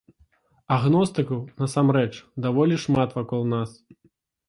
Агностыкаў, насамрэч, даволі шмат вакол нас.